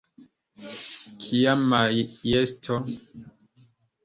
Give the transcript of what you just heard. Kia majesto!